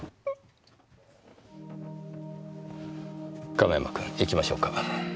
亀山君行きましょうか。